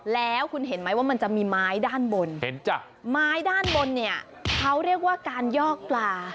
แล้วคุณเห็นไหมว่ามันจะมีไม้ด้านบนเห็นจ้ะไม้ด้านบนเนี่ยเขาเรียกว่าการยอกปลา